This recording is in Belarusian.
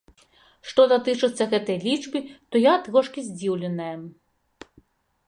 Што датычыцца гэтай лічбы, то я трошкі здзіўленая.